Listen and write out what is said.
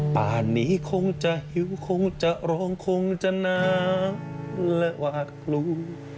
ป่านนี้คงจะหิวคงจะร้องคงจะหนาและหวาดกลัว